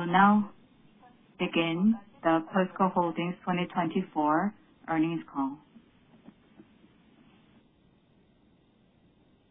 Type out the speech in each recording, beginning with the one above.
We'll now begin the POSCO Holdings 2024 earnings call.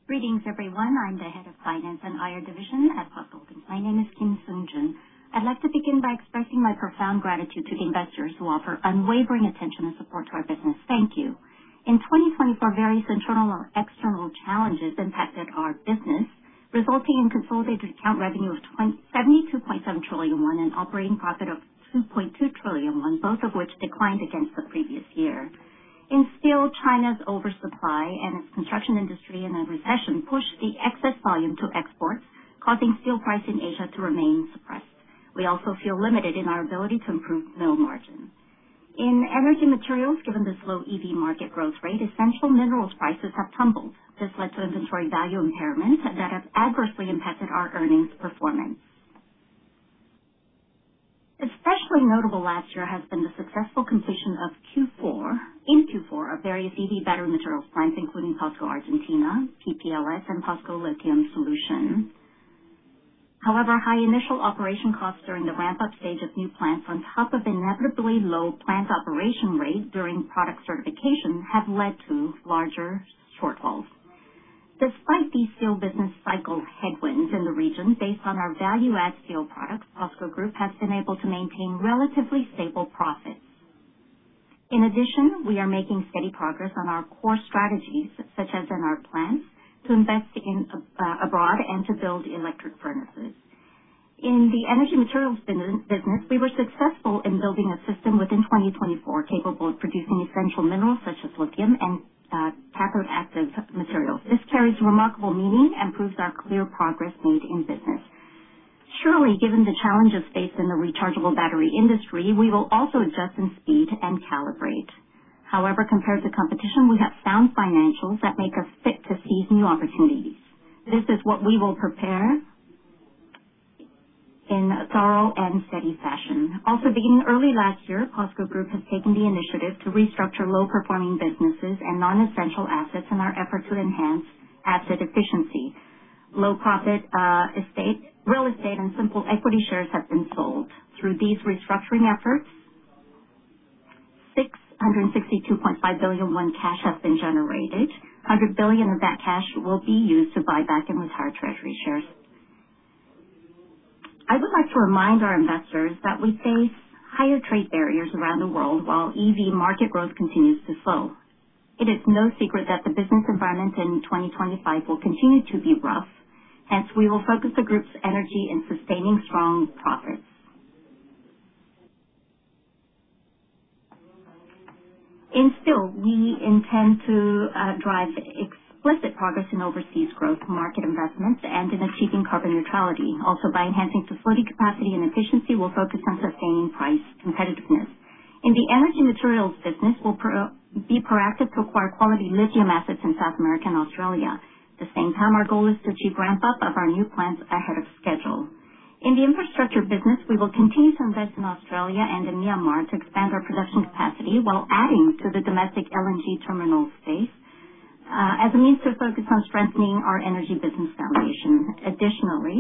Greetings, everyone. I'm the Head of Financial Investor Relations Division at POSCO Holdings. My name is Kim Seung-jun. I'd like to begin by expressing my profound gratitude to the investors who offer unwavering attention and support to our business. Thank you. In 2024, various internal and external challenges impacted our business, resulting in consolidated revenue of 72.7 trillion won and operating profit of 2.2 trillion won, both of which declined against the previous year. In steel, China's oversupply and its construction industry in a recession pushed the excess volume to exports, causing steel prices in Asia to remain suppressed. We also feel limited in our ability to improve mill margins. In energy materials, given the slow EV market growth rate, essential minerals prices have tumbled. This led to Inventory Value Impairments that have adversely impacted our earnings performance. Especially notable last year has been the successful completion in Q4 of various EV battery materials plants, including POSCO Argentina, PPLS, and POSCO Lithium Solution. However, high initial operation costs during the ramp-up stage of new plants, on top of inevitably low plant operation rates during product certification, have led to larger shortfalls. Despite these steel business cycle headwinds in the region, based on our value-add steel products, POSCO Group has been able to maintain relatively stable profits. In addition, we are making steady progress on our core strategies, such as in our plans to invest abroad and to build electric furnaces. In the energy materials business, we were successful in building a system within 2024 capable of producing essential minerals such as lithium and Cathode Active Materials. This carries remarkable meaning and proves our clear progress made in business. Surely, given the challenges faced in the rechargeable battery industry, we will also adjust in speed and calibrate. However, compared to competition, we have sound financials that make us fit to seize new opportunities. This is what we will prepare in a thorough and steady fashion. Also, beginning early last year, POSCO Group has taken the initiative to restructure low-performing businesses and non-essential assets in our effort to enhance asset efficiency. Low-profit real estate and simple equity shares have been sold. Through these restructuring efforts, 662.5 billion cash has been generated. 100 billion of that cash will be used to buy back and retire treasury shares. I would like to remind our investors that we face higher trade barriers around the world while EV market growth continues to slow. It is no secret that the business environment in 2025 will continue to be rough. Hence, we will focus the group's energy and sustaining strong profits. In steel, we intend to drive explicit progress in overseas growth, market investments, and in achieving carbon neutrality. Also, by enhancing facility capacity and efficiency, we'll focus on sustaining price competitiveness. In the energy materials business, we'll be proactive to acquire quality lithium assets in South America and Australia. At the same time, our goal is to achieve ramp-up of our new plants ahead of schedule. In the infrastructure business, we will continue to invest in Australia and in Myanmar to expand our production capacity while adding to the domestic LNG terminal space as a means to focus on strengthening our energy business foundation. Additionally,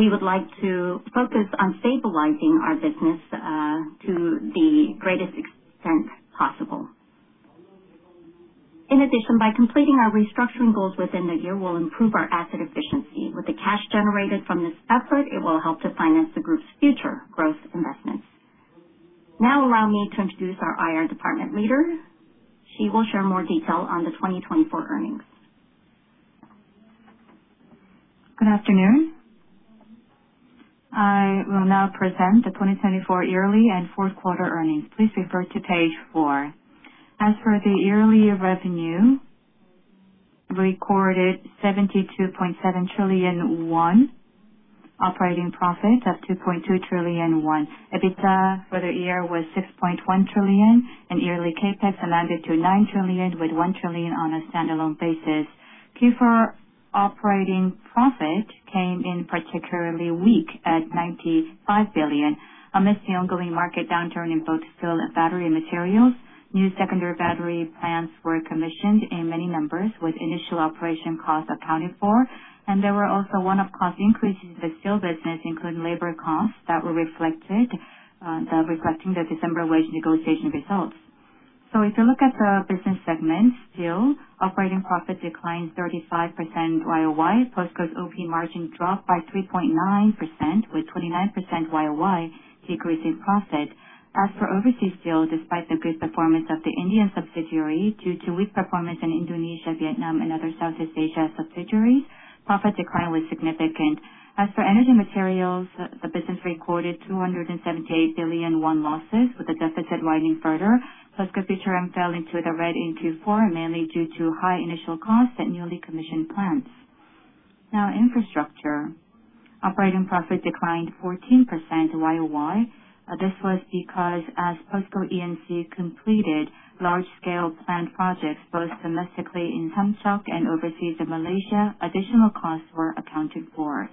we would like to focus on stabilizing our business to the greatest extent possible. In addition, by completing our restructuring goals within the year, we'll improve our asset efficiency. With the cash generated from this effort, it will help to finance the group's future growth investments. Now, allow me to introduce our IR department leader. She will share more detail on the 2024 earnings. Good afternoon. I will now present the 2024 yearly and fourth quarter earnings. Please refer to page four. As for the yearly revenue, recorded 72.7 trillion won, operating profit of 2.2 trillion won. EBITDA for the year was 6.1 trillion, and yearly CapEx amounted to 9 trillion, with 1 trillion on a standalone basis. Q4 operating profit came in particularly weak at 95 billion, amidst the ongoing market downturn in both steel and battery materials. New Secondary Battery Plants were commissioned in many numbers, with initial operation costs accounted for. And there were also one-off cost increases in the steel business, including labor costs that were reflected the December wage negotiation results. If you look at the business segment, steel operating profit declined 35% YOY. POSCO's OP margin dropped by 3.9%, with 29% YOY decrease in profit. As for overseas steel, despite the good performance of the Indian subsidiary due to weak performance in Indonesia, Vietnam, and other Southeast Asia subsidiaries, profit declined significantly. As for energy materials, the business recorded 278 billion losses, with the deficit widening further. POSCO Future M fell into the red in Q4, mainly due to high initial costs and newly commissioned plants. Now, infrastructure operating profit declined 14% YOY. This was because, as POSCO E&C completed large-scale plant projects both domestically in Samcheok and overseas in Malaysia, additional costs were accounted for.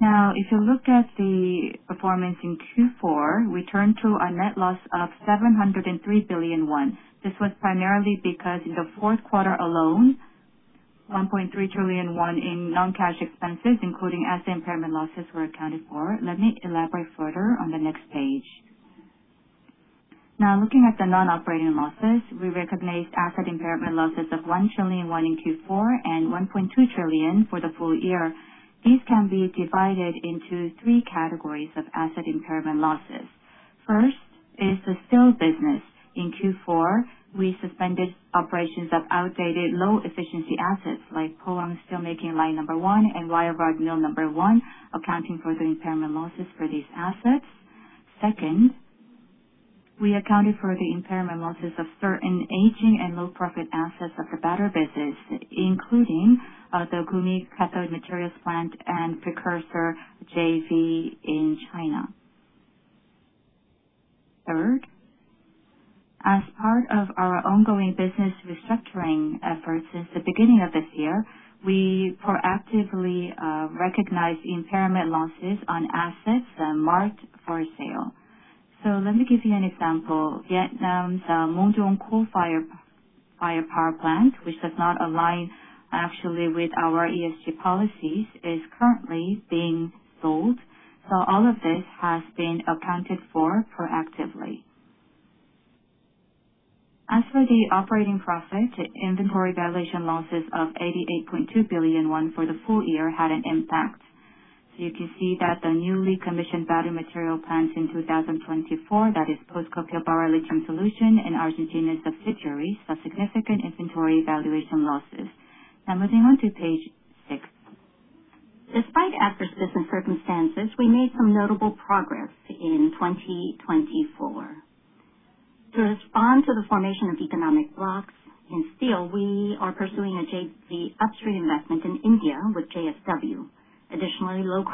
Now, if you look at the performance in Q4, we turned to a net loss of 703 billion won. This was primarily because, in the fourth quarter alone, 1.3 trillion won in non-cash expenses, including asset impairment losses, were accounted for. Let me elaborate further on the next page. Initial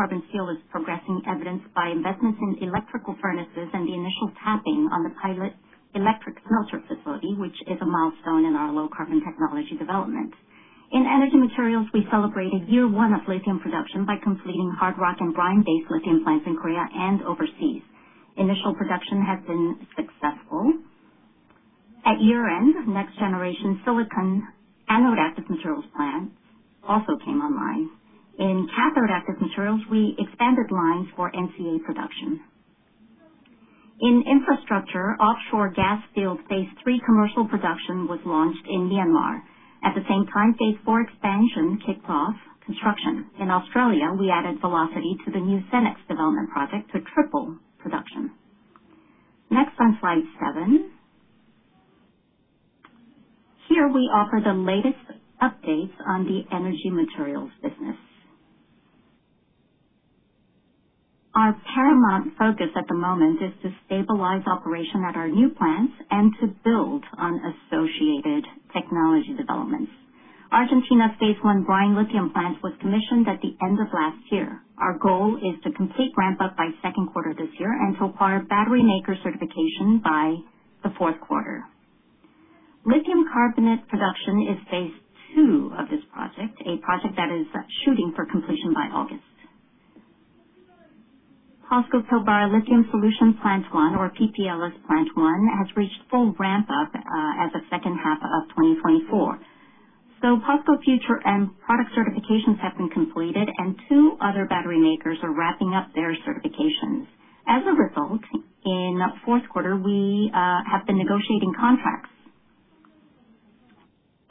production has been successful. At year end, next-generation silicon anode-active materials plants also came online. In Cathode Active Materials, we expanded lines for NCA production. In infrastructure, offshore gas field phase three commercial production was launched in Myanmar. At the same time, phase four expansion kicked off construction. In Australia, we added velocity to the new Senex development project to triple production. Next, on slide seven, here we offer the latest updates on the energy materials business. Our paramount focus at the moment is to stabilize operation at our new plants and to build on associated technology developments. Argentina's phase one brine lithium plant was commissioned at the end of last year. Our goal is to complete ramp-up by second quarter this year and to acquire battery maker certification by the fourth quarter. Lithium carbonate production is phase two of this project, a project that is shooting for completion by August. POSCO Pilbara Lithium Solution Plant One, or PPLS Plant One, has reached full ramp-up as of second half of 2024. POSCO Future M product certifications have been completed, and two other battery makers are wrapping up their certifications. As a result, in fourth quarter, we have been negotiating contracts.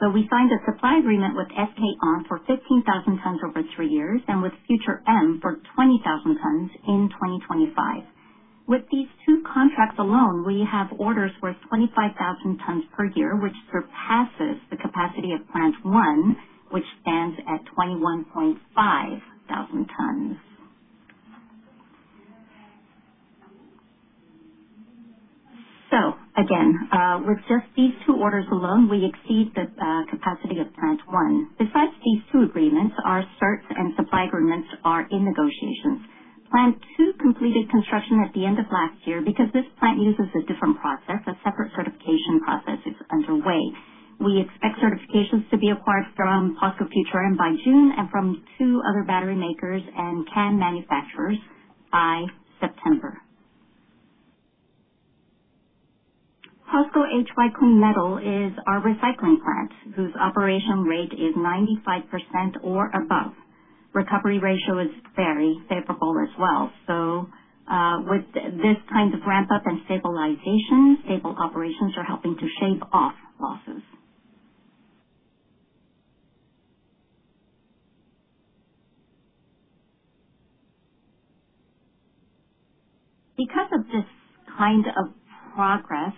We signed a supply agreement with SK On for 15,000 tons over three years and with POSCO Future M for 20,000 tons in 2025. With these two contracts alone, we have orders worth 25,000 tons per year, which surpasses the capacity of Plant One, which stands at 21.5 thousand tons. Again, with just these two orders alone, we exceed the capacity of Plant One. Besides these two agreements, our certs and supply agreements are in negotiations. Plant Two completed construction at the end of last year because this plant uses a different process. A separate certification process is underway. We expect certifications to be acquired from POSCO Future M by June and from two other battery makers and CAM manufacturers by September. POSCO HY Clean Metal is our recycling plant whose operation rate is 95% or above. Recovery ratio is very favorable as well. So with this kind of ramp-up and stabilization, stable operations are helping to shave off losses. Because of this kind of progress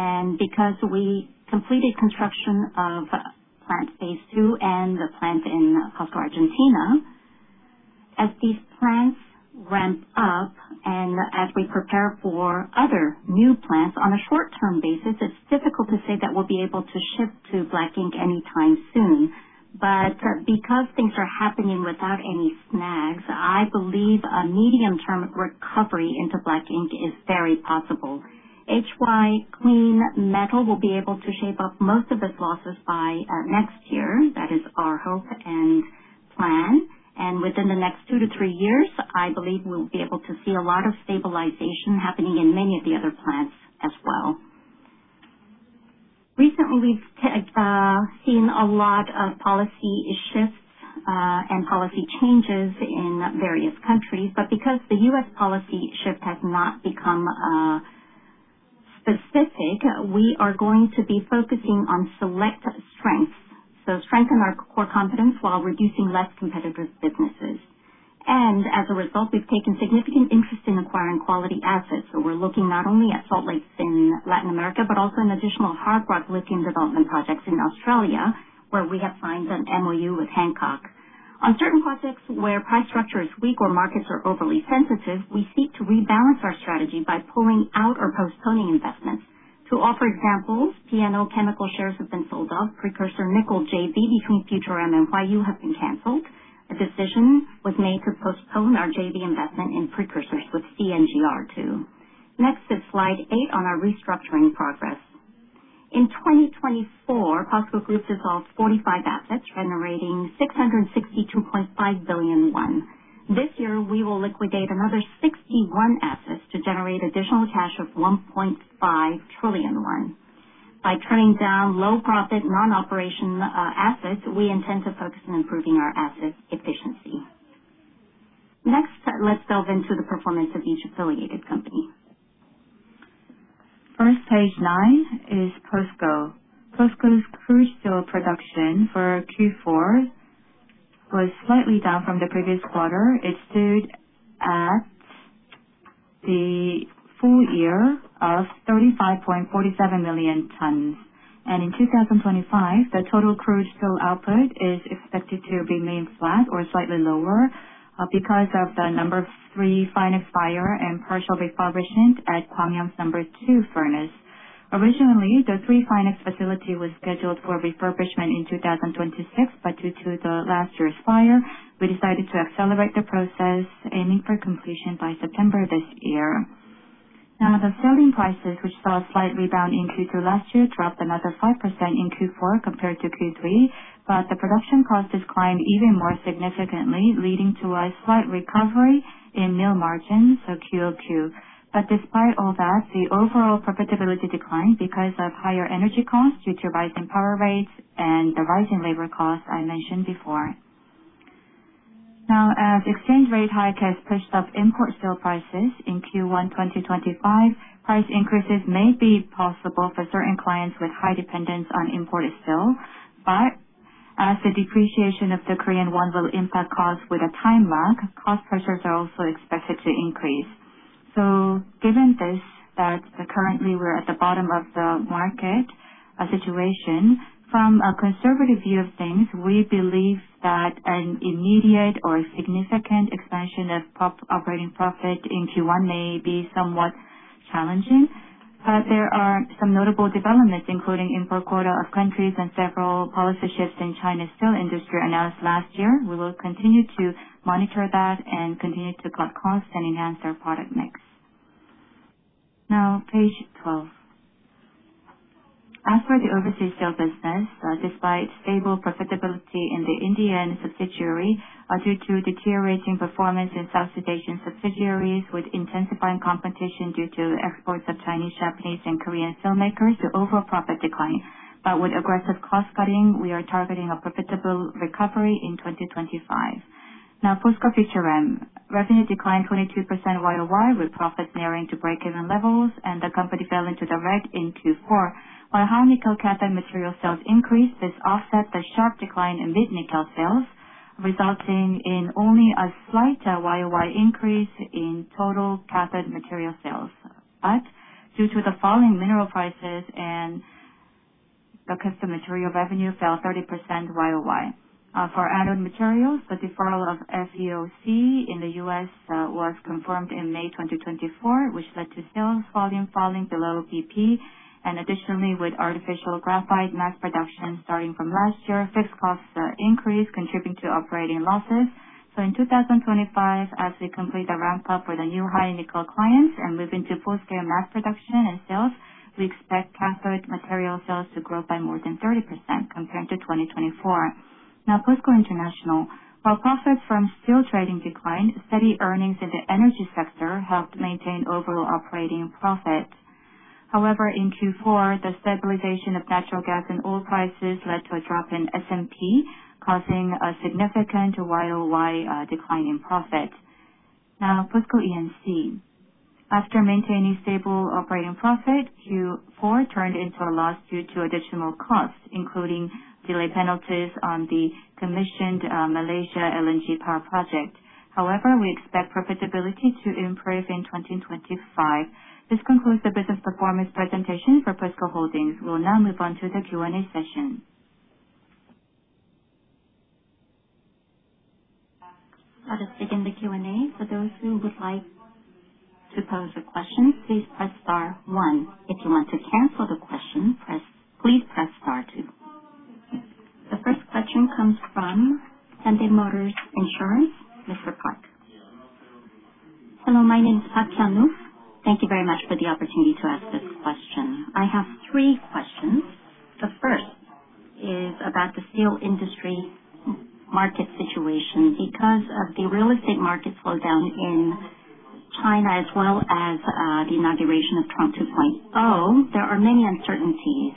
and because we completed construction of Plant Phase Two and the plant in POSCO Argentina, as these plants ramp up and as we prepare for other new plants on a short-term basis, it's difficult to say that we'll be able to shift to Black Ink anytime soon. But because things are happening without any snags, I believe a medium-term recovery into black ink is very possible. HY Clean Metal will be able to shave off most of its losses by next year. That is our hope and plan. And within the next two to three years, I believe we'll be able to see a lot of stabilization happening in many of the other plants as well. Recently, we've seen a lot of policy shifts and policy changes in various countries. But because the U.S. policy shift has not become specific, we are going to be focusing on select strengths. So strengthen our core competence while reducing less competitive businesses. And as a result, we've taken significant interest in acquiring quality assets. We're looking not only at salt lakes in Latin America, but also at additional hard rock lithium development projects in Australia, where we have signed an MoU with Hancock Prospecting. On certain projects where price structure is weak or markets are overly sensitive, we seek to rebalance our strategy by pulling out or postponing investments. To offer examples, P&O Chemical shares have been sold off. Precursor nickel JV between Future M and Young Poong has been canceled. A decision was made to postpone our JV investment in precursors with CNGR too. Next is slide eight on our restructuring progress. In 2024, POSCO Group dissolved 45 assets, generating 662.5 billion won. This year, we will liquidate another 61 assets to generate additional cash of 1.5 trillion won. By turning down low-profit non-operation assets, we intend to focus on improving our asset efficiency. Next, let's delve into the performance of each affiliated company. First, page nine is POSCO. POSCO's crude steel production for Q4 was slightly down from the previous quarter. It stood at the full year of 35.47 million tons, and in 2025, the total crude steel output is expected to remain flat or slightly lower because of the number three blast furnace fire and partial refurbishment at Gwangyang's number two furnace. Originally, the number three blast furnace facility was scheduled for refurbishment in 2026, but due to last year's fire, we decided to accelerate the process aiming for completion by September this year. Now, the selling prices, which saw a slight rebound in Q2 last year, dropped another 5% in Q4 compared to Q3, but the production costs declined even more significantly, leading to a slight recovery in mill margins, so QOQ. But despite all that, the overall profitability declined because of higher energy costs due to rising power rates and the rising labor costs I mentioned before. Now, as exchange rate hikes pushed up import steel prices in Q1 2025, price increases may be possible for certain clients with high dependence on imported steel. But as the depreciation of the Korean won will impact costs with a time lag, cost pressures are also expected to increase. So given this, that currently we're at the bottom of the market situation, from a conservative view of things, we believe that an immediate or significant expansion of operating profit in Q1 may be somewhat challenging. But there are some notable developments, including import quota of countries and several policy shifts in China's steel industry announced last year. We will continue to monitor that and continue to cut costs and enhance our product mix. Now, page 12. As for the overseas steel business, despite stable profitability in the Indian subsidiary, due to deteriorating performance in Southeast Asian subsidiaries with intensifying competition due to exports of Chinese, Japanese, and Korean steelmakers, the overall profit declined. But with aggressive cost cutting, we are targeting a profitable recovery in 2025. Now, POSCO Future M. Revenue declined 22% YOY with profits narrowing to break-even levels, and the company fell into the red in Q4. But high-nickel cathode material sales increased, this offset the sharp decline in mid-nickel sales, resulting in only a slight YOY increase in total cathode material sales. But due to the falling mineral prices, the anode material revenue fell 30% YOY. For anode materials, the deferral of FEOC in the U.S. was confirmed in May 2024, which led to sales volume falling below BP. Additionally, with artificial graphite mass production starting from last year, fixed costs increased, contributing to operating losses. So in 2025, as we complete the ramp-up for the new high nickel clients and move into full-scale mass production and sales, we expect cathode material sales to grow by more than 30% compared to 2024. Now, POSCO International. While profits from steel trading declined, steady earnings in the energy sector helped maintain overall operating profit. However, in Q4, the stabilization of natural gas and oil prices led to a drop in SMP, causing a significant YOY decline in profit. Now, POSCO E&C. After maintaining stable operating profit, Q4 turned into a loss due to additional costs, including delay penalties on the commissioned Malaysia LNG Power Project. However, we expect profitability to improve in 2025. This concludes the business performance presentation for POSCO Holdings. We'll now move on to the Q&A session. Now, to begin the Q&A, for those who would like to pose a question, please press star one. If you want to cancel the question, please press star two. The first question comes from Hyundai Motor Securities, Mr. Park. Hello, my name is Park Hyun-woo. Thank you very much for the opportunity to ask this question. I have three questions. The first is about the steel industry market situation. Because of the real estate market slowdown in China as well as the inauguration of Trump 2.0, there are many uncertainties.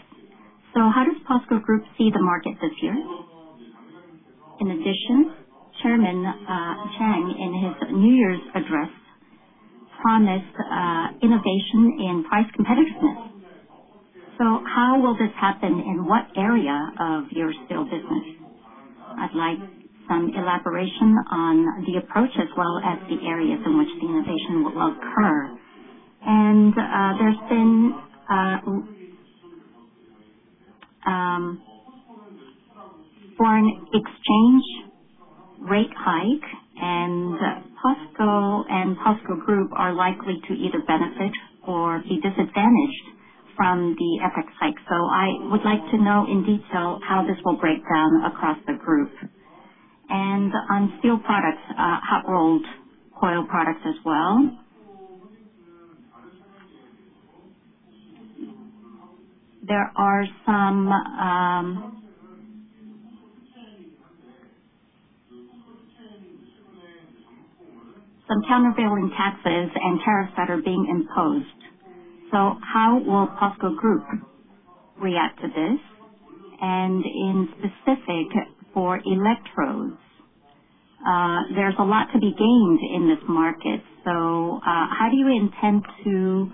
So how does POSCO Group see the market this year? In addition, Chairman Chang in his New Year's address promised innovation in price competitiveness. So how will this happen in what area of your steel business? I'd like some elaboration on the approach as well as the areas in which the innovation will occur. There's been a foreign exchange rate hike, and POSCO and POSCO Group are likely to either benefit or be disadvantaged from the exchange rate hike. I would like to know in detail how this will break down across the group. On steel products, hot rolled coil products as well, there are some countervailing taxes and tariffs that are being imposed. How will POSCO Group react to this? In specific for electrodes, there's a lot to be gained in this market. How do you intend to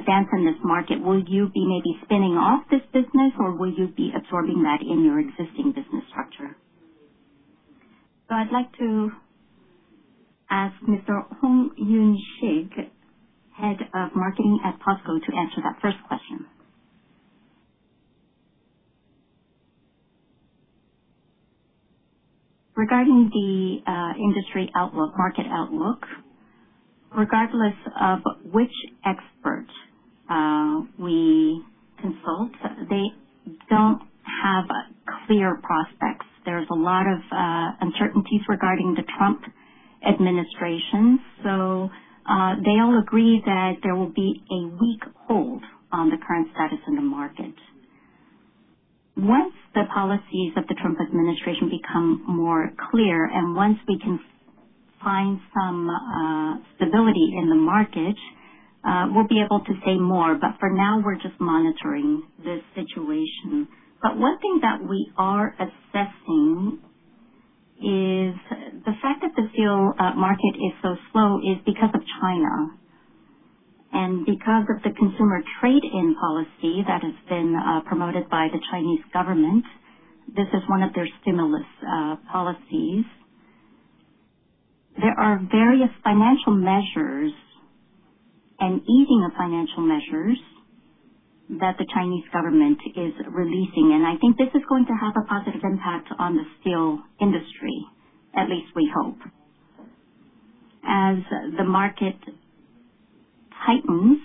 advance in this market? Will you be maybe spinning off this business, or will you be absorbing that in your existing business structure? I'd like to ask Mr. Hong Yoon-shik, Head of Marketing at POSCO, to answer that first question. Regarding the industry outlook, market outlook, regardless of which expert we consult, they don't have clear prospects. There's a lot of uncertainties regarding the Trump administration, so they all agree that there will be a weak hold on the current status in the market. Once the policies of the Trump administration become more clear and once we can find some stability in the market, we'll be able to say more, but for now, we're just monitoring this situation, but one thing that we are assessing is the fact that the steel market is so slow is because of China and because of the consumer trade-in policy that has been promoted by the Chinese government, this is one of their stimulus policies. There are various financial measures and easing of financial measures that the Chinese government is releasing, and I think this is going to have a positive impact on the steel industry, at least we hope. As the market tightens,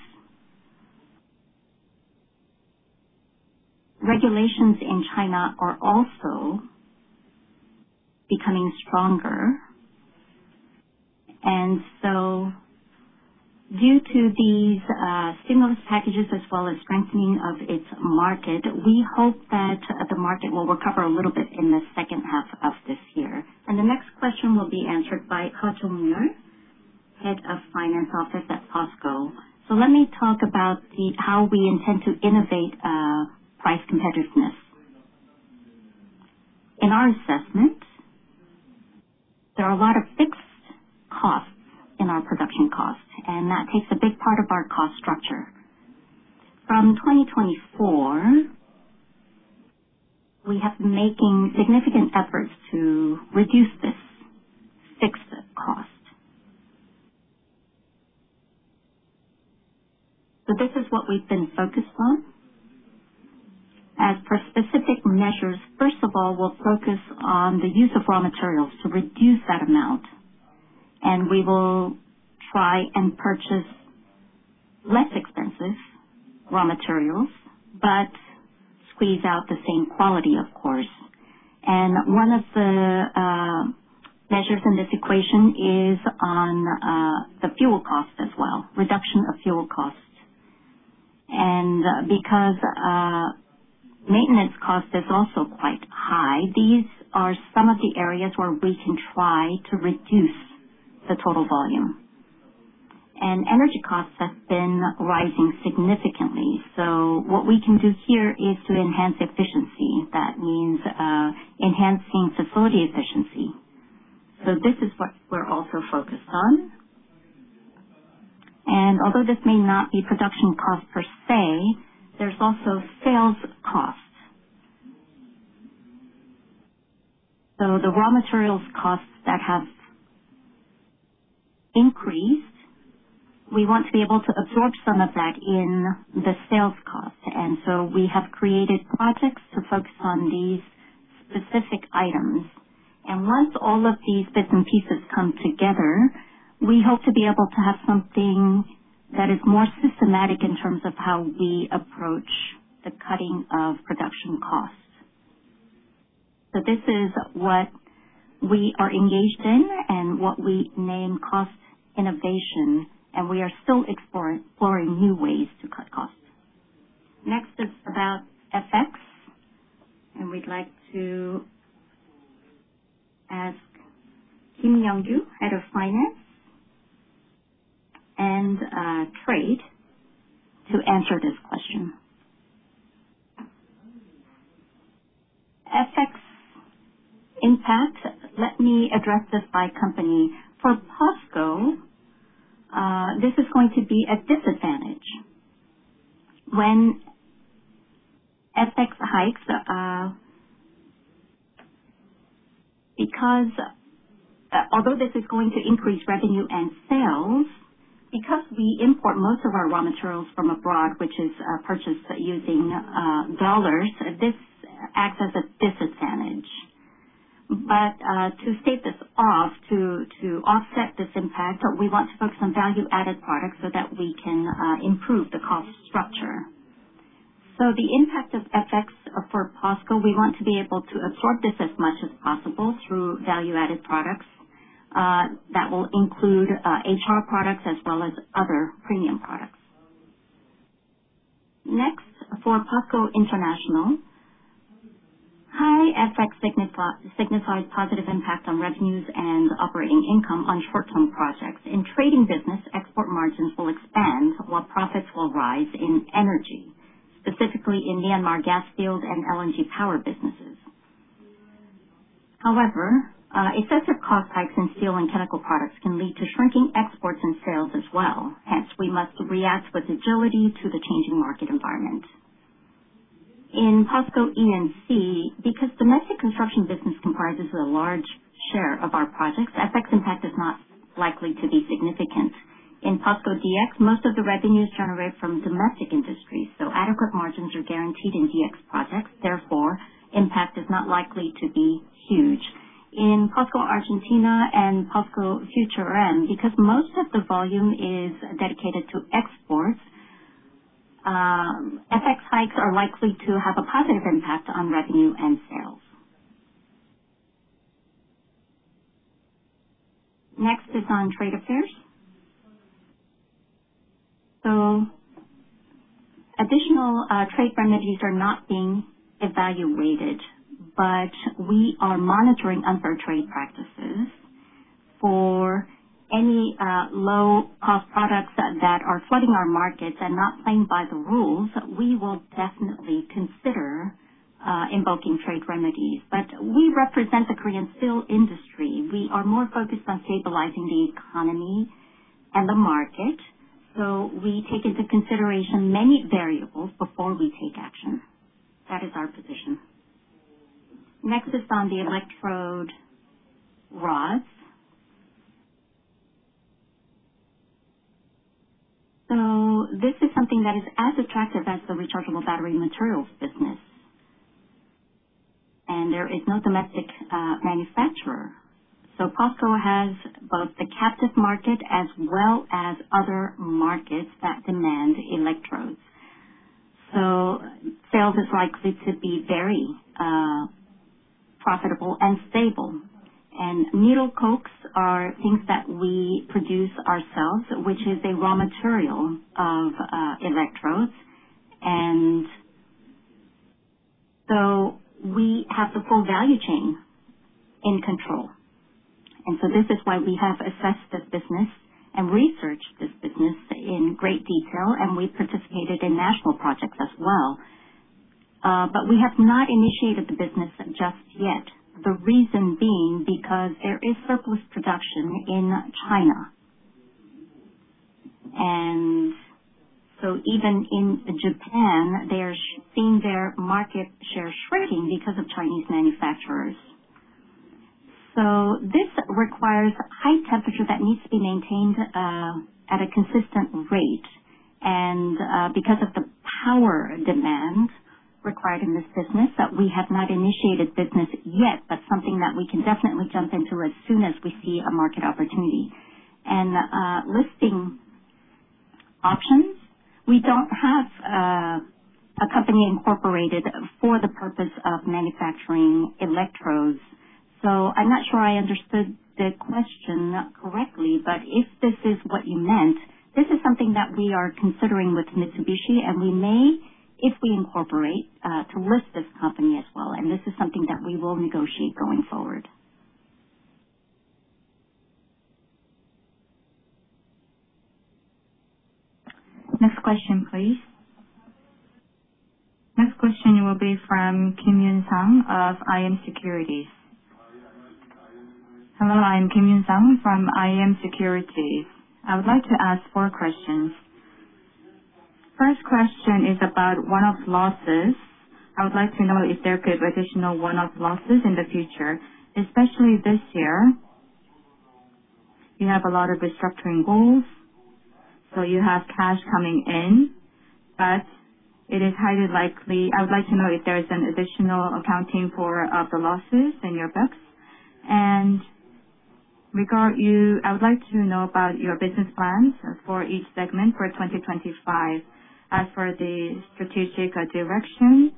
regulations in China are also becoming stronger. Due to these stimulus packages as well as strengthening of its market, we hope that the market will recover a little bit in the second half of this year. The next question will be answered by Ha Jung-min, Head of Finance Office at POSCO. Let me talk about how we intend to innovate price competitiveness. In our assessment, there are a lot of fixed costs in our production costs, and that takes a big part of our cost structure. From 2024, we have been making significant efforts to reduce this fixed cost. This is what we've been focused on. As for specific measures, first of all, we'll focus on the use of raw materials to reduce that amount. We will try and purchase less expensive raw materials, but squeeze out the same quality, of course. One of the measures in this equation is on the fuel cost as well, reduction of fuel costs. Because maintenance cost is also quite high, these are some of the areas where we can try to reduce the total volume. Energy costs have been rising significantly. What we can do here is to enhance efficiency. That means enhancing facility efficiency. This is what we're also focused on. Although this may not be production cost per se, there's also sales costs. The raw materials costs that have increased, we want to be able to absorb some of that in the sales cost. We have created projects to focus on these specific items. Once all of these bits and pieces come together, we hope to be able to have something that is more systematic in terms of how we approach the cutting of production costs. This is what we are engaged in and what we name cost innovation. We are still exploring new ways to cut costs. Next is about FX. We'd like to ask Kim Young-joo, Head of Finance and Trade, to answer this question. FX impact, let me address this by company. For POSCO, this is going to be a disadvantage when FX hikes, because although this is going to increase revenue and sales, because we import most of our raw materials from abroad, which is purchased using dollars, this acts as a disadvantage. But to stave this off, to offset this impact, we want to focus on value-added products so that we can improve the cost structure. So the impact of FX for POSCO, we want to be able to absorb this as much as possible through value-added products that will include HR products as well as other premium products. Next, for POSCO International, high FX signifies positive impact on revenues and operating income on short-term projects. In trading business, export margins will expand while profits will rise in energy, specifically in Myanmar gas field and LNG power businesses. However, excessive cost hikes in steel and chemical products can lead to shrinking exports and sales as well. Hence, we must react with agility to the changing market environment. In POSCO E&C, because domestic construction business comprises a large share of our projects, FX impact is not likely to be significant. In POSCO DX, most of the revenues generate from domestic industries, so adequate margins are guaranteed in DX projects. Therefore, impact is not likely to be huge. In POSCO Argentina and POSCO Future M, because most of the volume is dedicated to exports, FX hikes are likely to have a positive impact on revenue and sales. Next is on trade affairs. So additional trade remedies are not being evaluated, but we are monitoring unfair trade practices. For any low-cost products that are flooding our markets and not playing by the rules, we will definitely consider invoking trade remedies. But we represent the Korean steel industry. We are more focused on stabilizing the economy and the market. So we take into consideration many variables before we take action. That is our position. Next is on the wire rods. So this is something that is as attractive as the rechargeable battery materials business. And there is no domestic manufacturer. So POSCO has both the captive market as well as other markets that demand electrodes. So sales is likely to be very profitable and stable. And needle cokes are things that we produce ourselves, which is a raw material of electrodes. And so we have the full value chain in control. And so this is why we have assessed this business and researched this business in great detail, and we've participated in national projects as well. But we have not initiated the business just yet. The reason being because there is surplus production in China. And so even in Japan, they are seeing their market share shrinking because of Chinese manufacturers. So this requires high temperature that needs to be maintained at a consistent rate. Because of the power demand required in this business, we have not initiated business yet, but something that we can definitely jump into as soon as we see a market opportunity. Listing options, we don't have a company incorporated for the purpose of manufacturing electrodes. So I'm not sure I understood the question correctly, but if this is what you meant, this is something that we are considering with Mitsubishi, and we may, if we incorporate, to list this company as well. This is something that we will negotiate going forward. Next question, please. Next question will be from Kim Yun-sang of iM Securities. Hello, I'm Kim Yun-sang from iM Securities. I would like to ask four questions. First question is about one-off losses. I would like to know if there could be additional one-off losses in the future, especially this year. You have a lot of restructuring goals, so you have cash coming in, but it is highly likely. I would like to know if there's an additional accounting for the losses in your books. And I would like to know about your business plans for each segment for 2025 as for the strategic direction.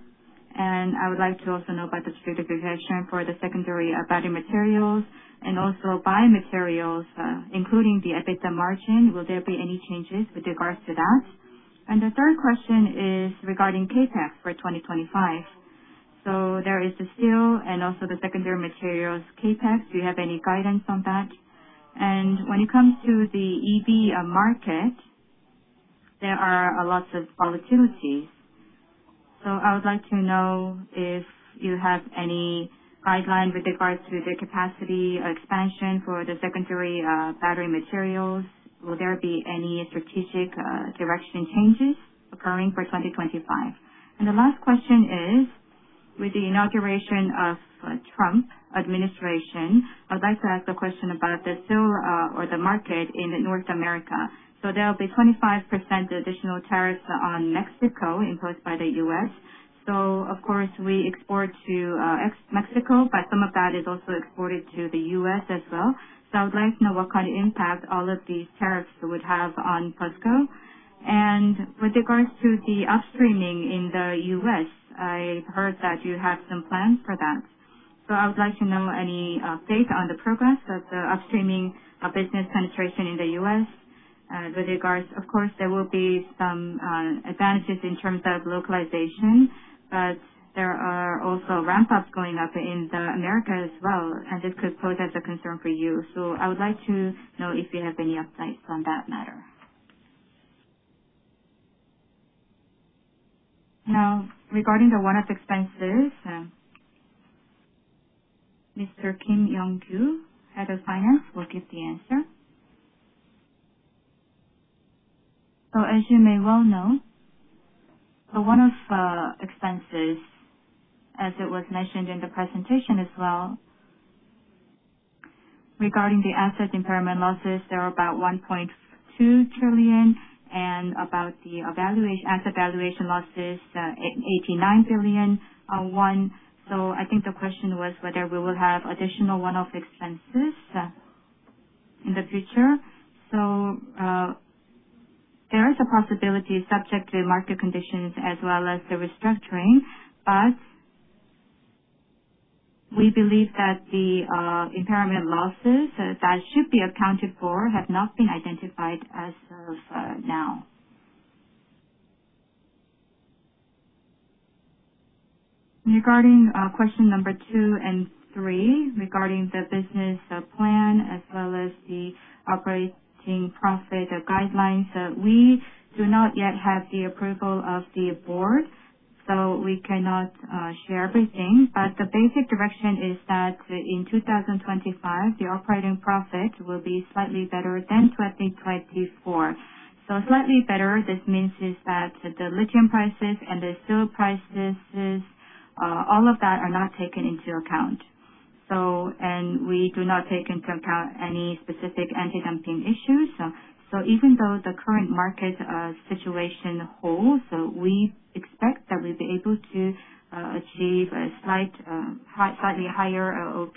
And I would like to also know about the strategic direction for the secondary battery materials and also battery materials, including the EBITDA margin. Will there be any changes with regards to that? And the third question is regarding CapEx for 2025. So there is the steel and also the secondary materials, CapEx. Do you have any guidance on that? And when it comes to the EV market, there are lots of volatilities. So I would like to know if you have any guideline with regards to the capacity expansion for the secondary battery materials. Will there be any strategic direction changes occurring for 2025? And the last question is, with the inauguration of Trump administration, I'd like to ask a question about the steel or the market in North America. So there will be 25% additional tariffs on Mexico imposed by the U.S. So, of course, we export to Mexico, but some of that is also exported to the U.S. as well. So I would like to know what kind of impact all of these tariffs would have on POSCO. And with regards to the upstreaming in the U.S., I've heard that you have some plans for that. So I would like to know any updates on the progress of the upstreaming business penetration in the U.S. With regards, of course, there will be some advantages in terms of localization, but there are also ramp-ups going up in America as well, and this could pose as a concern for you. So I would like to know if you have any updates on that matter. Now, regarding the one-off expenses, Mr. Kim Young-joo, Head of Finance, will give the answer. So, as you may well know, the one-off expenses, as it was mentioned in the presentation as well, regarding the asset impairment losses, there are about 1.2 trillion, and about the asset valuation losses, 89 billion won. So I think the question was whether we will have additional one-off expenses in the future. So there is a possibility subject to market conditions as well as the restructuring, but we believe that the impairment losses that should be accounted for have not been identified as of now. Regarding question number two and three, regarding the business plan as well as the operating profit guidelines, we do not yet have the approval of the board, so we cannot share everything. But the basic direction is that in 2025, the operating profit will be slightly better than 2024. So, slightly better, this means that the lithium prices and the steel prices, all of that are not taken into account. And we do not take into account any specific anti-dumping issues. So, even though the current market situation holds, we expect that we'll be able to achieve a slightly higher OP.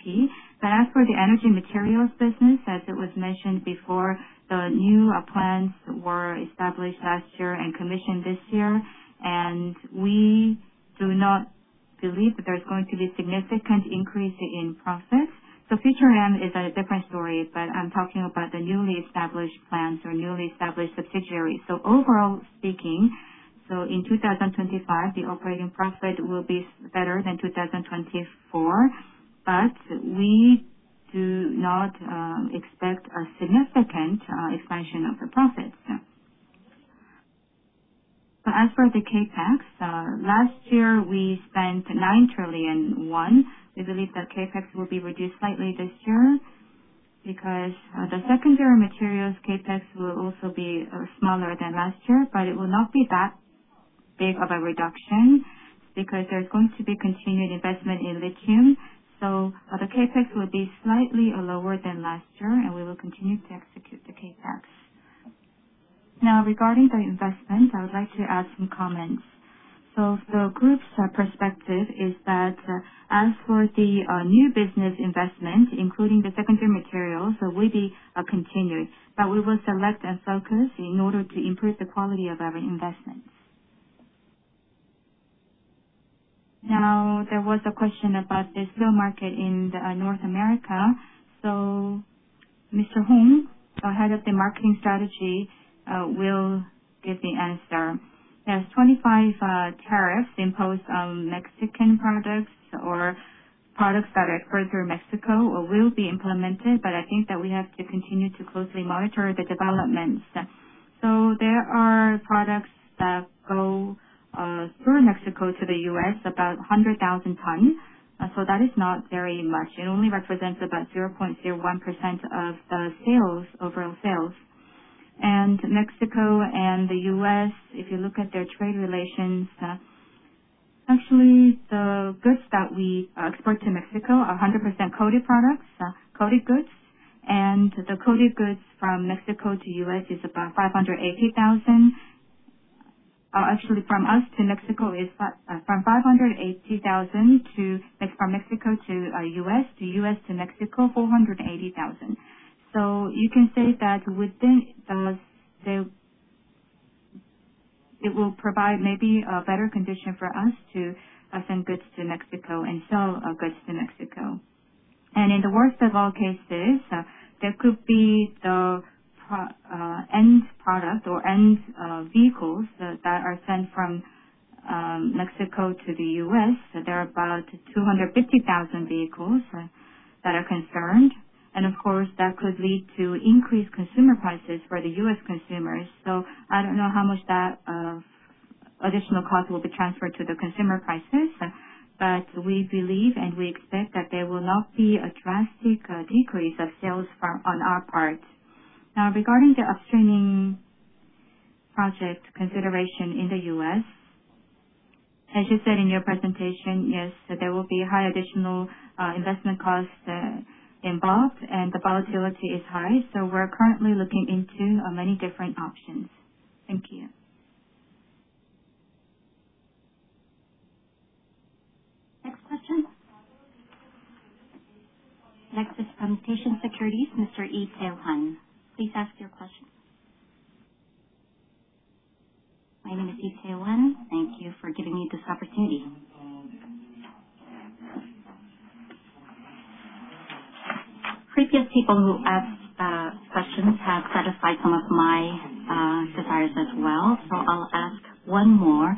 But as for the energy materials business, as it was mentioned before, the new plans were established last year and commissioned this year. And we do not believe that there's going to be a significant increase in profits. Future M is a different story, but I'm talking about the newly established plans or newly established subsidiaries. Overall speaking, in 2025, the operating profit will be better than 2024, but we do not expect a significant expansion of the profits. But as for the CapEx, last year, we spent 9 trillion won. We believe that CapEx will be reduced slightly this year because the secondary materials CapEx will also be smaller than last year, but it will not be that big of a reduction because there's going to be continued investment in lithium. The CapEx will be slightly lower than last year, and we will continue to execute the CapEx. Now, regarding the investment, I would like to add some comments. So, the group's perspective is that as for the new business investment, including the secondary materials, we'll be continued, but we will select and focus in order to improve the quality of our investments. Now, there was a question about the steel market in North America. So, Mr. Hong, Head of Marketing Strategy, will give the answer. There's 25% tariffs imposed on Mexican products or products that are exported through Mexico or will be implemented, but I think that we have to continue to closely monitor the developments. So, there are products that go through Mexico to the U.S., about 100,000 tons. So, that is not very much. It only represents about 0.01% of the overall sales. And Mexico and the U.S., if you look at their trade relations, actually, the goods that we export to Mexico are 100% coated products, coated goods. The coated goods from Mexico to the U.S. is about 580,000. Actually, from the U.S. to Mexico is 580,000, from Mexico to the U.S. 480,000. So, you can say that it will provide maybe a better condition for us to send goods to Mexico and sell goods to Mexico. And in the worst of all cases, there could be the end product or end vehicles that are sent from Mexico to the U.S. There are about 250,000 vehicles that are concerned. And, of course, that could lead to increased consumer prices for the U.S. consumers. So, I don't know how much that additional cost will be transferred to the consumer prices, but we believe and we expect that there will not be a drastic decrease of sales on our part. Now, regarding the upstreaming project consideration in the U.S., as you said in your presentation, yes, there will be high additional investment costs involved, and the volatility is high. So, we're currently looking into many different options. Thank you. Next question. Next is from Daishin Securities, Mr. Lee Tae-hwan. Please ask your question. My name is Lee Tae-hwan. Thank you for giving me this opportunity. Previous people who asked questions have satisfied some of my desires as well. So, I'll ask one more.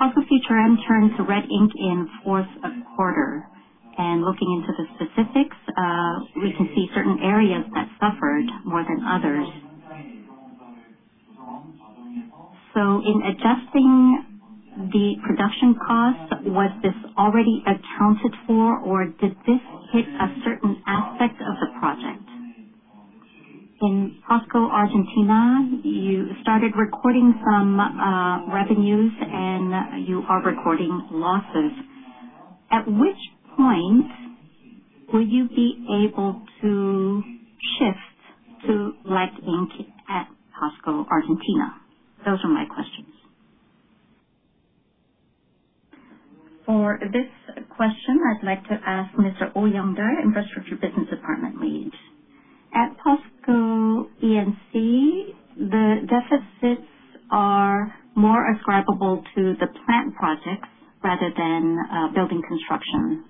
How could Future M turn to red ink in fourth quarter? And looking into the specifics, we can see certain areas that suffered more than others. So, in adjusting the production costs, was this already accounted for, or did this hit a certain aspect of the project? In POSCO Argentina, you started recording some revenues, and you are recording losses. At which point will you be able to shift to lithium at POSCO Argentina? Those are my questions. For this question, I'd like to ask Mr. Oh Young-dae, Infrastructure Business Department Lead. At POSCO E&C, the deficits are more ascribable to the plant projects rather than building construction.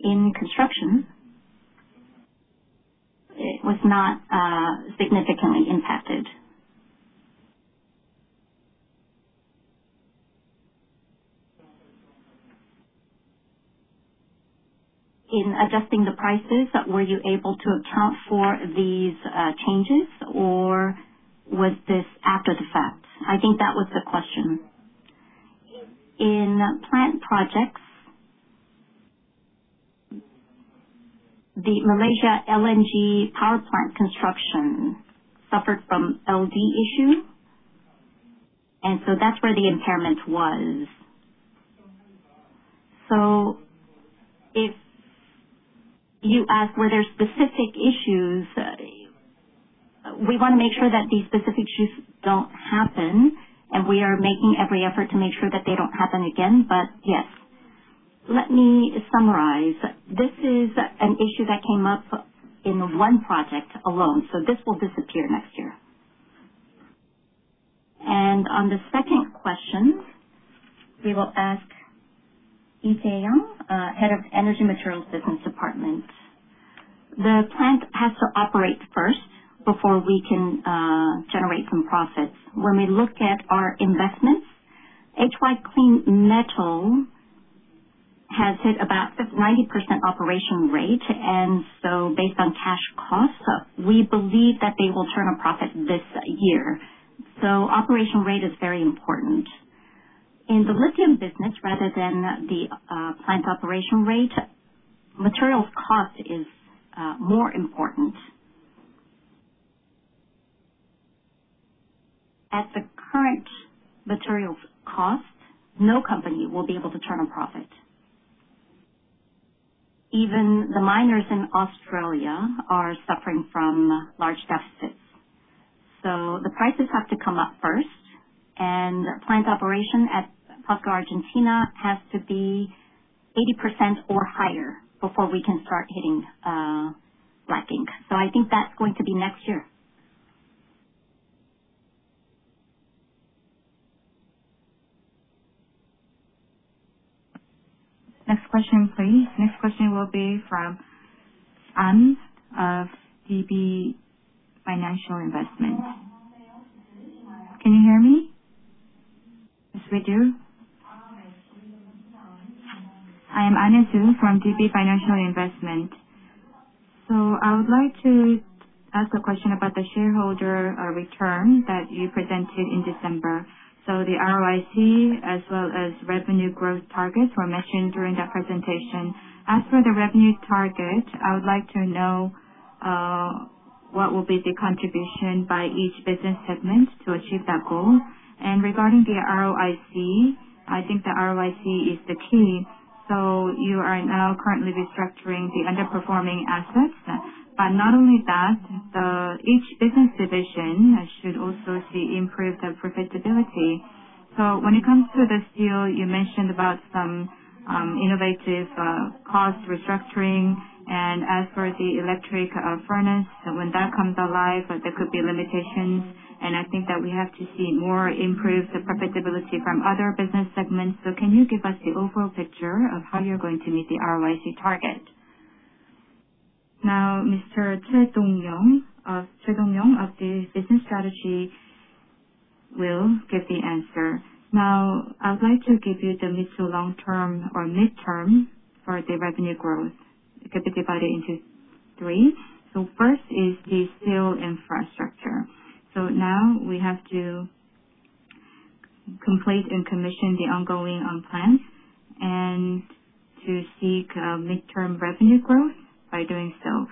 In construction, it was not significantly impacted. In adjusting the prices, were you able to account for these changes, or was this after the fact? I think that was the question. In plant projects, the Malaysia LNG Power Plant construction suffered from LD issues, and so that's where the impairment was. So, if you ask were there specific issues, we want to make sure that these specific issues don't happen, and we are making every effort to make sure that they don't happen again, but yes. Let me summarize. This is an issue that came up in one project alone, so this will disappear next year. And on the second question, we will ask Lee Tae-hwan, head of Energy Materials Business Department. The plant has to operate first before we can generate some profits. When we look at our investments, HY Clean Metal has hit about 90% operation rate, and so based on cash costs, we believe that they will turn a profit this year. So, operation rate is very important. In the lithium business, rather than the plant operation rate, materials cost is more important. At the current materials cost, no company will be able to turn a profit. Even the miners in Australia are suffering from large deficits. So, the prices have to come up first, and plant operation at POSCO Argentina has to be 80% or higher before we can start hitting black ink. So, I think that's going to be next year. Next question, please. Next question will be from Ahn of DB Financial Investment. Can you hear me? Yes, we do. I am Ahn from DB Financial Investment. So, I would like to ask a question about the shareholder return that you presented in December. So, the ROIC as well as revenue growth targets were mentioned during that presentation. As for the revenue target, I would like to know what will be the contribution by each business segment to achieve that goal. And regarding the ROIC, I think the ROIC is the key. So, you are now currently restructuring the underperforming assets, but not only that, each business division should also see improved profitability. So, when it comes to the steel, you mentioned about some innovative cost restructuring, and as for the electric furnace, when that comes alive, there could be limitations, and I think that we have to see more improved profitability from other business segments. So, can you give us the overall picture of how you're going to meet the ROIC target? Now, Mr. Choi Dong-young of the business strategy will give the answer. Now, I'd like to give you the mid to long term or midterm for the revenue growth. I'll divide it into three. So, first is the steel infrastructure. So, now we have to complete and commission the ongoing plans and to seek midterm revenue growth by doing so.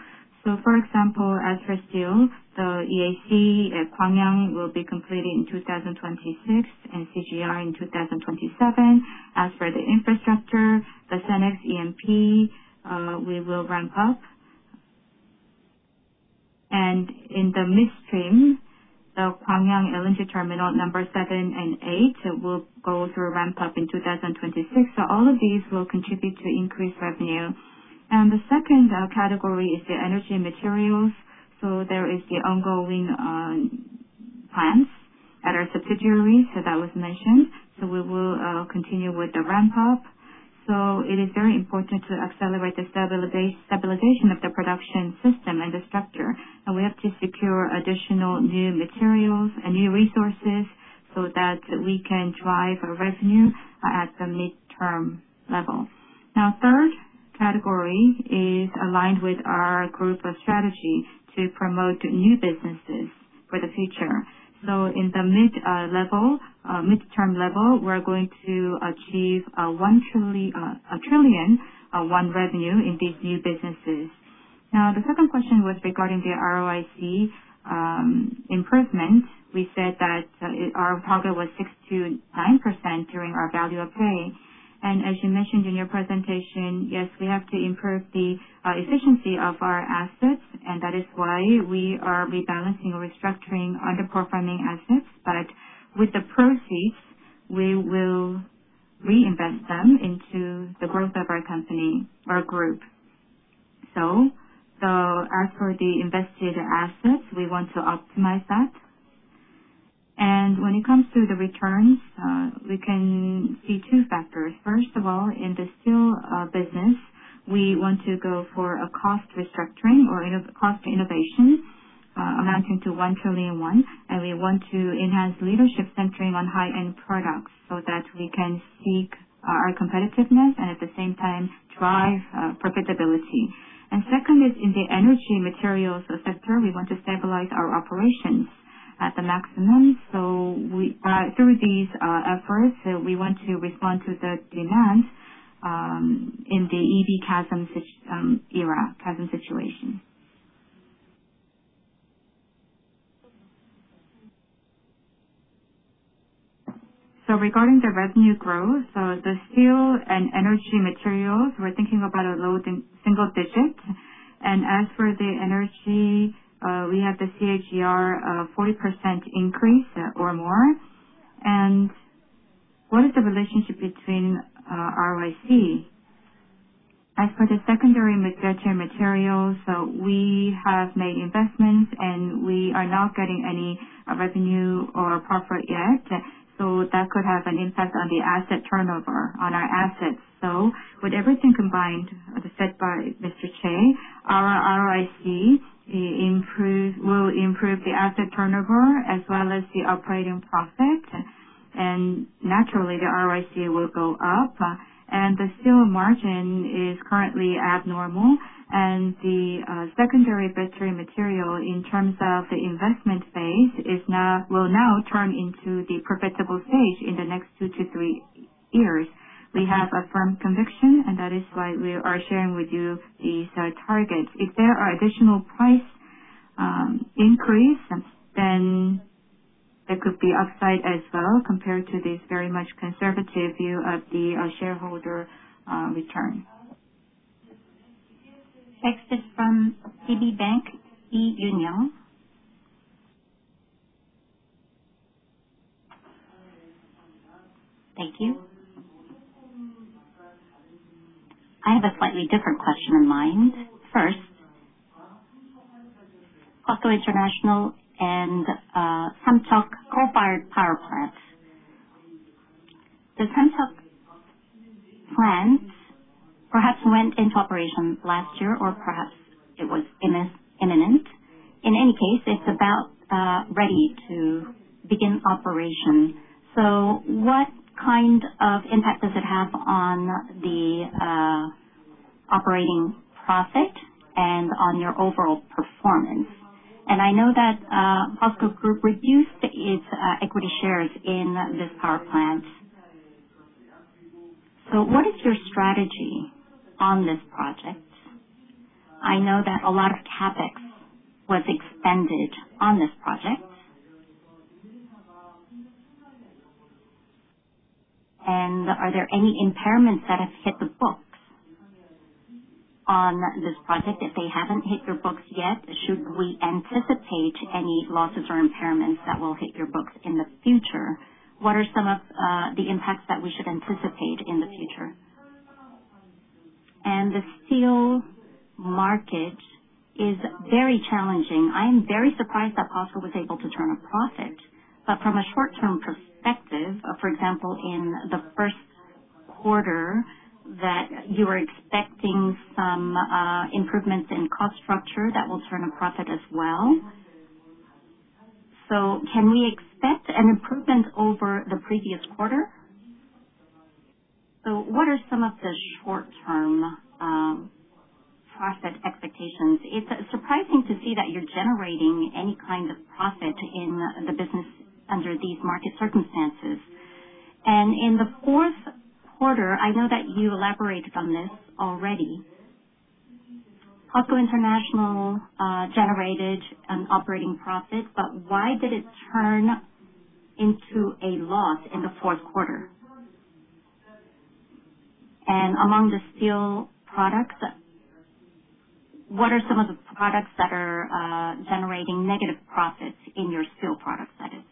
So, for example, as for steel, the EAF at Gwangyang will be completed in 2026, and CGR in 2027. As for the infrastructure, the Senex Energy, we will ramp up, and in the midstream, the Gwangyang LNG terminal number seven and eight will go through ramp up in 2026. So, all of these will contribute to increased revenue, and the second category is the energy materials. So, there are the ongoing plants that are subsidiaries that were mentioned. So, we will continue with the ramp up. So, it is very important to accelerate the stabilization of the production system and the structure, and we have to secure additional new materials and new resources so that we can drive revenue at the midterm level. Now, the third category is aligned with our group of strategy to promote new businesses for the future. So, in the midterm level, we're going to achieve 1 trillion revenue in these new businesses. Now, the second question was regarding the ROIC improvement. We said that our target was 6%-9% during our Value-Up, and as you mentioned in your presentation, yes, we have to improve the efficiency of our assets, and that is why we are rebalancing or restructuring underperforming assets, but with the proceeds, we will reinvest them into the growth of our company or group, so, as for the invested assets, we want to optimize that, and when it comes to the returns, we can see two factors. First of all, in the steel business, we want to go for a cost restructuring or cost innovation amounting to 1 trillion KRW, and we want to enhance leadership centering on high-end products so that we can seek our competitiveness and at the same time drive profitability, and second is in the energy materials sector, we want to stabilize our operations at the maximum. So, through these efforts, we want to respond to the demand in the EV chasm era chasm situation. So, regarding the revenue growth, the steel and energy materials, we're thinking about a low single digit. And as for the energy, we have the CAGR 40% increase or more. And what is the relationship between ROIC? As for the secondary materials, we have made investments, and we are not getting any revenue or profit yet. So, that could have an impact on the asset turnover on our assets. So, with everything combined said by Mr. Chae, our ROIC will improve the asset turnover as well as the operating profit. And naturally, the ROIC will go up. And the steel margin is currently abnormal. And the secondary battery material in terms of the investment phase will now turn into the profitable stage in the next two to three years. We have a firm conviction, and that is why we are sharing with you these targets. If there are additional price increases, then there could be upside as well compared to this very much conservative view of the shareholder return. Next is from DB Financial Investment, Lee Yun-yang. Thank you. I have a slightly different question in mind. First, POSCO International and Samcheok coal-fired power plant. The Samcheok plant perhaps went into operation last year, or perhaps it was imminent. In any case, it's about ready to begin operation. So, what kind of impact does it have on the operating profit and on your overall performance? And I know that POSCO Group reduced its equity shares in this power plant. So, what is your strategy on this project? I know that a lot of CapEx was expended on this project. Are there any impairments that have hit the books on this project if they haven't hit your books yet? Should we anticipate any losses or impairments that will hit your books in the future? What are some of the impacts that we should anticipate in the future? And the steel market is very challenging. I am very surprised that POSCO was able to turn a profit. But from a short-term perspective, for example, in the first quarter, that you were expecting some improvements in cost structure that will turn a profit as well. So, can we expect an improvement over the previous quarter? So, what are some of the short-term profit expectations? It's surprising to see that you're generating any kind of profit in the business under these market circumstances. And in the fourth quarter, I know that you elaborated on this already. POSCO International generated an operating profit, but why did it turn into a loss in the fourth quarter? And among the steel products, what are some of the products that are generating negative profits in your steel products that is?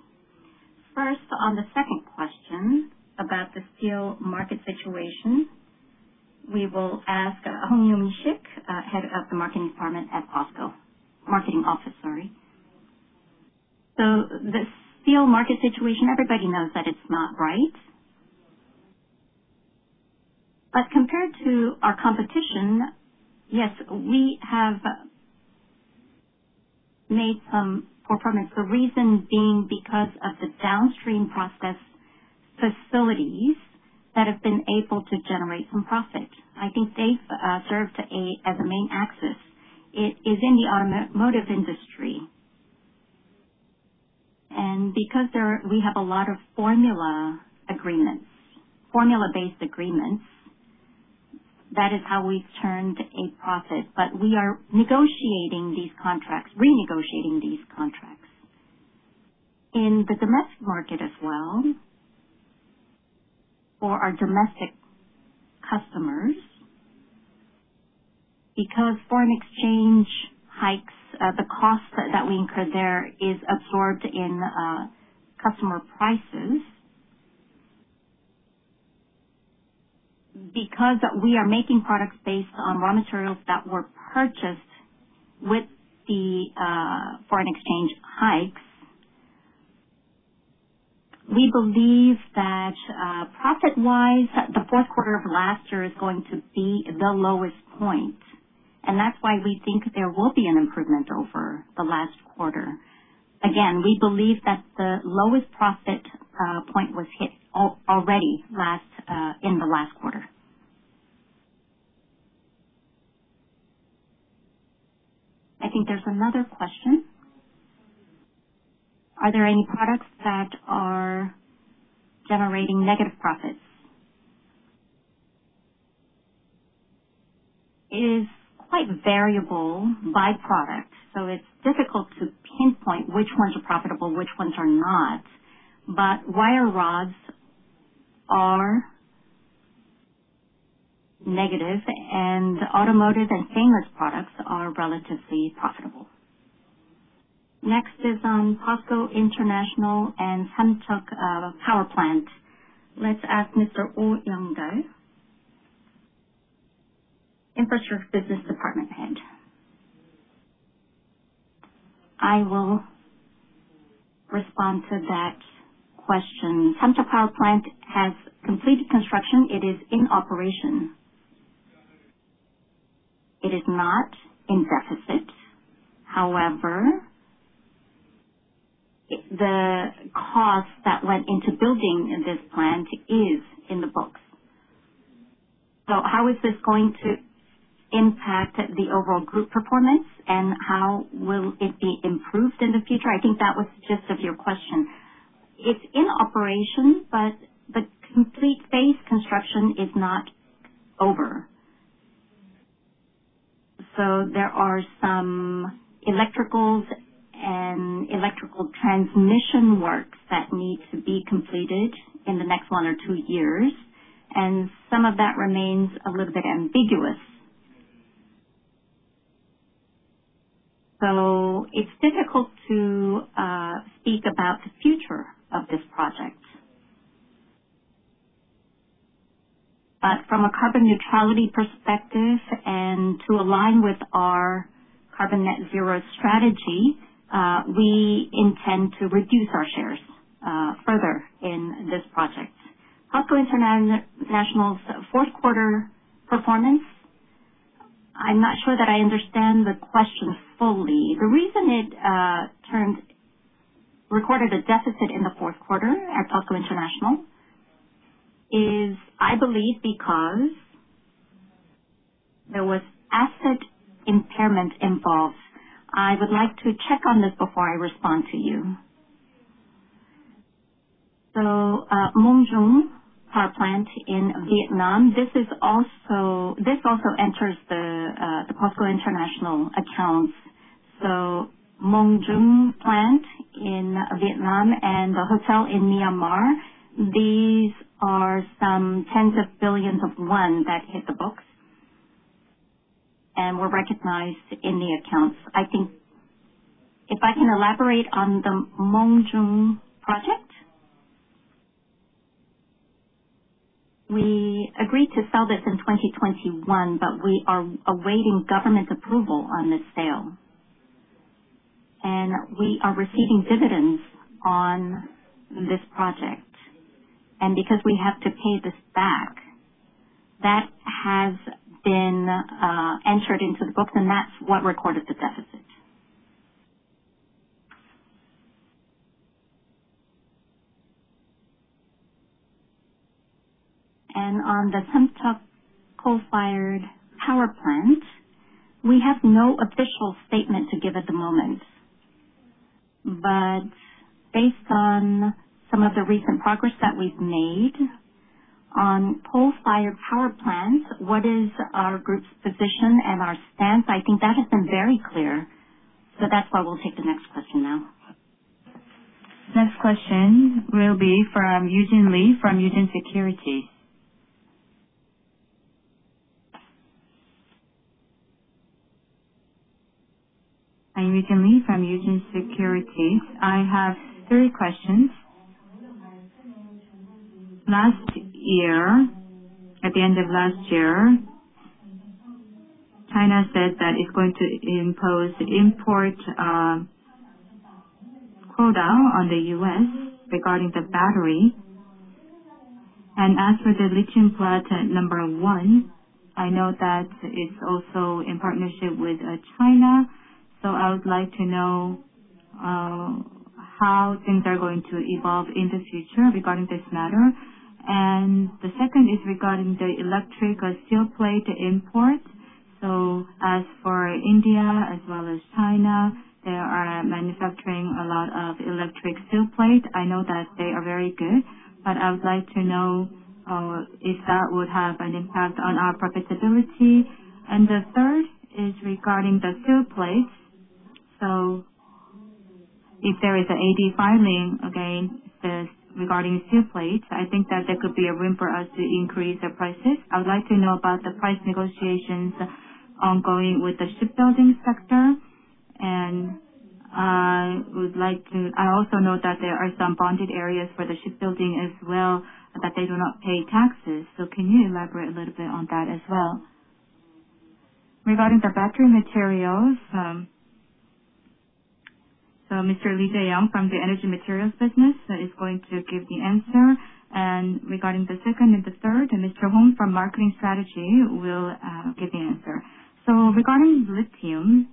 First, on the second question about the steel market situation, we will ask Hong Yoon-shik, head of the Marketing Strategy at POSCO, marketing office, sorry. The steel market situation, everybody knows that it's not right. Compared to our competition, yes, we have made some performance, the reason being because of the downstream process facilities that have been able to generate some profit. I think they've served as a main axis. It is in the automotive industry. Because we have a lot of formula agreements, formula-based agreements, that is how we've turned a profit. But we are negotiating these contracts, renegotiating these contracts in the domestic market as well for our domestic customers. Because foreign exchange hikes, the cost that we incur there is absorbed in customer prices. Because we are making products based on raw materials that were purchased with the foreign exchange hikes, we believe that profit-wise, the fourth quarter of last year is going to be the lowest point. And that's why we think there will be an improvement over the last quarter. Again, we believe that the lowest profit point was hit already in the last quarter. I think there's another question. Are there any products that are generating negative profits? It is quite variable by product. So, it's difficult to pinpoint which ones are profitable, which ones are not. But wire rods are negative, and automotive and stainless products are relatively profitable. Next is on POSCO International and Samcheok Power Plant. Let's ask Mr. Oh Young-dae, Infrastructure Business Department Head. I will respond to that question. Samcheok Power Plant has completed construction. It is in operation. It is not in deficit. However, the cost that went into building this plant is in the books. So, how is this going to impact the overall group performance, and how will it be improved in the future? I think that was the gist of your question. It's in operation, but complete phase construction is not over. So, there are some electricals and electrical transmission works that need to be completed in the next one or two years, and some of that remains a little bit ambiguous. So, it's difficult to speak about the future of this project. From a carbon neutrality perspective and to align with our carbon net zero strategy, we intend to reduce our shares further in this project. POSCO International's fourth quarter performance, I'm not sure that I understand the question fully. The reason it recorded a deficit in the fourth quarter at POSCO International is, I believe, because there was asset impairment involved. I would like to check on this before I respond to you. So, Mong Duong Power Plant in Vietnam, this also enters the POSCO International accounts. So, Mong Duong Plant in Vietnam and the hotel in Myanmar, these are some tens of billions of KRW that hit the books and were recognized in the accounts. I think if I can elaborate on the Mong Duong project, we agreed to sell this in 2021, but we are awaiting government approval on this sale. And we are receiving dividends on this project. And because we have to pay this back, that has been entered into the books, and that's what recorded the deficit. And on the Samcheok coal-fired power plant, we have no official statement to give at the moment. But based on some of the recent progress that we've made on coal-fired power plant, what is our group's position and our stance? I think that has been very clear. So that's why we'll take the next question now. Next question will be from Eugene Lee from Eugene Investment & Securities. I'm Eugene Lee from Eugene Investment & Securities. I have three questions. Last year, at the end of last year, China said that it's going to impose import quota on the U.S. regarding the battery. And as for the lithium plant number one, I know that it's also in partnership with China. So I would like to know how things are going to evolve in the future regarding this matter. And the second is regarding the electric steel plate import. So as for India as well as China, they are manufacturing a lot of electric steel plate. I know that they are very good, but I would like to know if that would have an impact on our profitability. And the third is regarding the steel plates. So if there is an AD filing again regarding steel plates, I think that there could be a room for us to increase the prices. I would like to know about the price negotiations ongoing with the shipbuilding sector. And I would like to. I also know that there are some bonded areas for the shipbuilding as well that they do not pay taxes. So can you elaborate a little bit on that as well? Regarding the battery materials, so Mr. Lee Jae-young from the energy materials business is going to give the answer. Regarding the second and the third, Mr. Hong from marketing strategy will give the answer. Regarding lithium,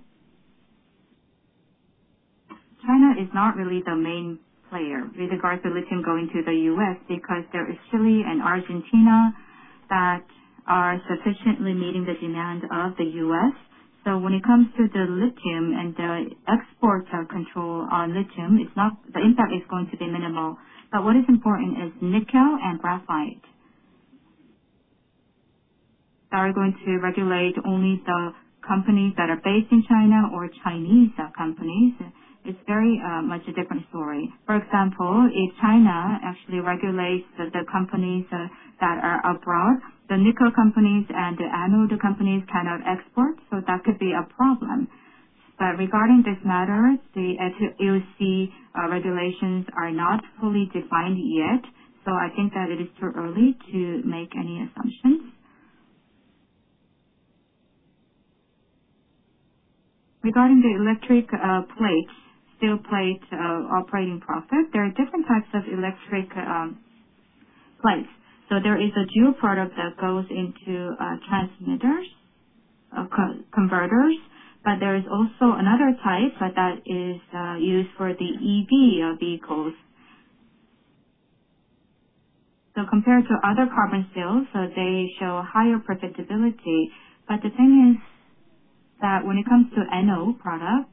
China is not really the main player with regards to lithium going to the U.S. because there is Chile and Argentina that are sufficiently meeting the demand of the U.S. When it comes to the lithium and the export control on lithium, the impact is going to be minimal. But what is important is nickel and graphite. Are we going to regulate only the companies that are based in China or Chinese companies? It's very much a different story. For example, if China actually regulates the companies that are abroad, the nickel companies and the anode companies cannot export, so that could be a problem. But regarding this matter, the ATOC regulations are not fully defined yet. So I think that it is too early to make any assumptions. Regarding the electrical steel plate operating profit, there are different types of electrical steel plates. So there is a dual product that goes into transformers, converters, but there is also another type that is used for the EV vehicles. So compared to other carbon steels, they show higher profitability. But the thing is that when it comes to NO product,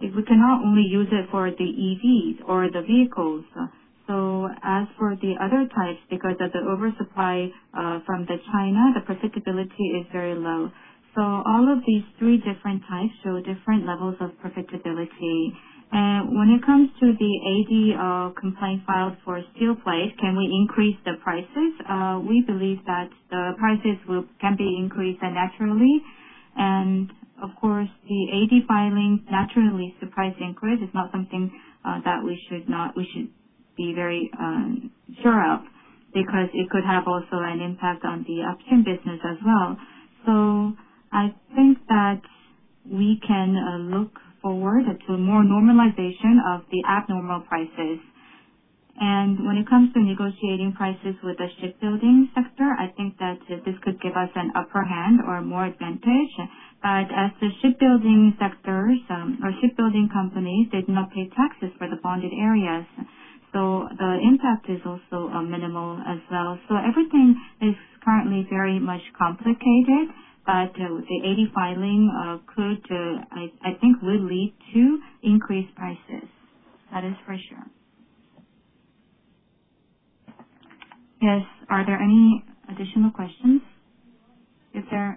we cannot only use it for the EVs or the vehicles. So as for the other types, because of the oversupply from China, the profitability is very low. So all of these three different types show different levels of profitability. And when it comes to the AD complaint filed for electrical steel plate, can we increase the prices? We believe that the prices can be increased naturally. And of course, the A.D. filing naturally surprising grid is not something that we should be very sure of because it could have also an impact on the option business as well. So I think that we can look forward to more normalization of the abnormal prices. And when it comes to negotiating prices with the shipbuilding sector, I think that this could give us an upper hand or more advantage. But as the shipbuilding sectors or shipbuilding companies, they do not pay taxes for the bonded areas. So the impact is also minimal as well. So everything is currently very much complicated, but the A.D. filing could, I think, would lead to increased prices. That is for sure. Yes. Are there any additional questions? If there.